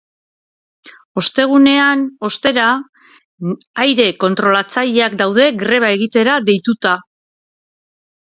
Ostegunean, ostera, aire kontrolatzaileak daude greba egitera deituta.